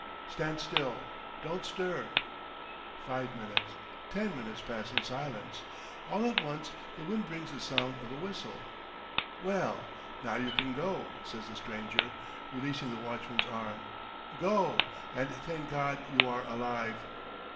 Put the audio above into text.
Stand still, don't stir. ..." Five minutes, ten minutes pass in silence. All at once the wind brings the sound of a whistle. "Well, now you can go," says the stranger, releasing the watchman's arm. "Go and thank God you are alive!"